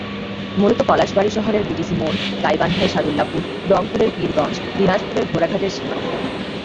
মূলত পলাশবাড়ী শহরের বিটিসি মোড় গাইবান্ধার সাদুল্যাপুর, রংপুরের পীরগঞ্জ, দিনাজপুরের ঘোড়াঘাটের সীমানা।